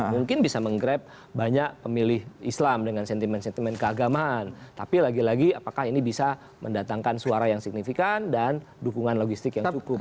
mungkin bisa menggrab banyak pemilih islam dengan sentimen sentimen keagamaan tapi lagi lagi apakah ini bisa mendatangkan suara yang signifikan dan dukungan logistik yang cukup